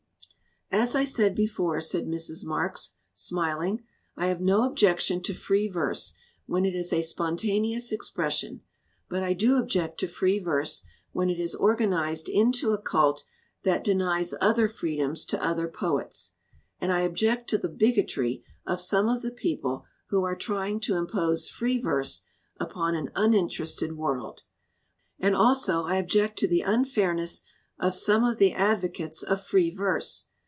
"As I said before," said Mrs. Marks, smiling, "I have no objection to free verse when it is a spontaneous expression. But I do object to free verse when it is organized into a cult that denies other freedoms to other poets! And I object to the bigotry of some of the people who are trying to impose free verse upon an uninterested world. "And also I object to the unfairness of some of the advocates of free verse.